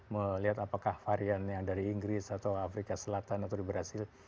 melihat apakah varian yang dari inggris atau afrika selatan atau di brazil